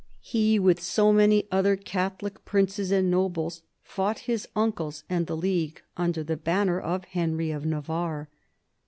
he, with so many other Catholic princes and nobles, fought his uncles and the League under the banner of Henry of Navarre.